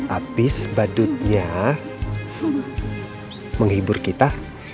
abis badutnya menghibur kita